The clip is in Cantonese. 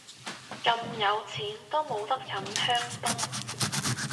咁有錢都冇得飲香檳